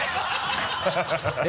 ハハハ